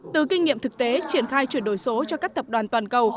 từ kinh nghiệm thực tế triển khai chuyển đổi số cho các tập đoàn toàn cầu